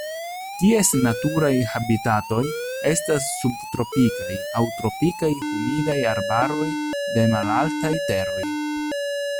Ties naturaj habitatoj estas subtropikaj aŭ tropikaj humidaj arbaroj de malaltaj teroj.